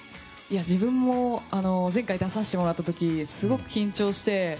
自分も前回出させてもらった時すごく緊張して。